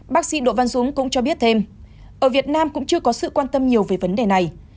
bác sĩ đỗ văn dũng cũng cho biết thêm ở việt nam cũng chưa có sự quan tâm nhiều về vấn đề này